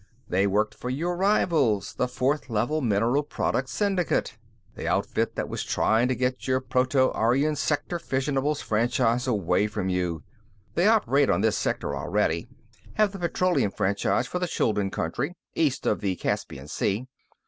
They worked for your rivals, the Fourth Level Mineral Products Syndicate; the outfit that was trying to get your Proto Aryan Sector fissionables franchise away from you. They operate on this sector already; have the petroleum franchise for the Chuldun country, east of the Caspian Sea.